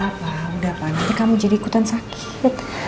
papa udah apaan nanti kamu jadi ikutan sakit